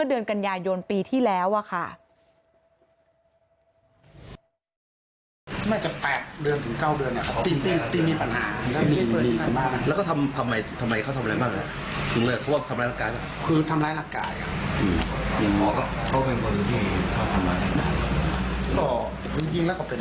ทำไมเขาทำอะไรบ้างคือทำร้ายร่างกาย